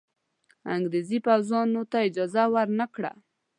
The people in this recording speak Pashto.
انګرېزي پوځونو ته اجازه ورنه کړه.